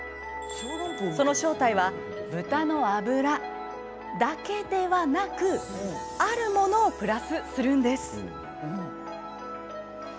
その正体は豚の脂だけではなくあるものをプラスするんです。